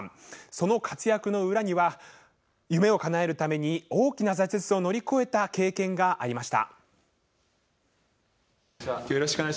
その活躍の裏には夢をかなえるために大きな挫折を乗り越えた経験がありました。